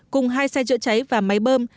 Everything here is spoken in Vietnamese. cùng hai xe chữa cháy và máy bơm